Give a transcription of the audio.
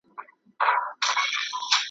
په لوګیو، سرو لمبو دوړو کي ورک دی `